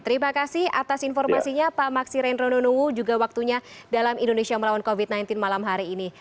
terima kasih atas informasinya pak maksi rendro nunungu juga waktunya dalam indonesia melawan covid sembilan belas malam hari ini